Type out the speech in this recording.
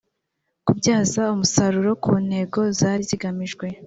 kubyaza umusaruro ku ntego zari zigamijwe